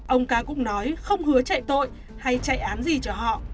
ông ca cũng nói không hứa chạy tội hay chạy án gì cho họ